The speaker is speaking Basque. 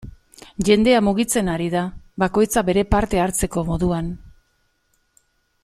Jendea mugitzen ari da, bakoitza bere parte hartzeko moduan.